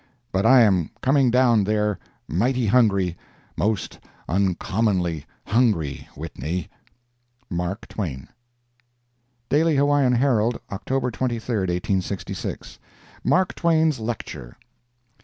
But I am coming down there mighty hungry—most uncommonly hungry, Whitney. MARK TWAIN. DAILY HAWAIIAN HERALD, October 23, 1866 MARK TWAIN'S LECTURE.